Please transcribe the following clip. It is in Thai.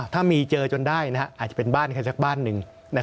ถ้ามีเจอจนได้อาจจะเป็นบ้านใครสักบ้านหนึ่ง